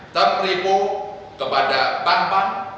terperibu kepada bank bank